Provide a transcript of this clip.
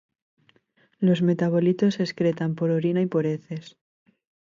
Los metabolitos se excretan por orina y por heces.